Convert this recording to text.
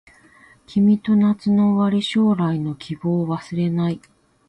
君と夏の終わり将来の希望忘れない